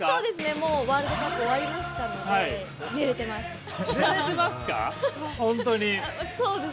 ◆もうワールドカップ終わりましたので、寝れてます。